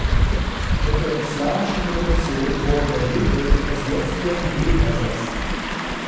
Mit der islamischen Revolution wurde der Löwe durch das jetzige Emblem ersetzt.